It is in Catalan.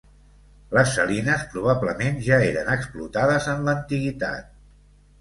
Les salines probablement ja eren explotades en l'antiguitat.